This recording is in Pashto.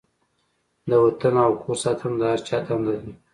د وطن او کور ساتنه د هر چا دنده ده.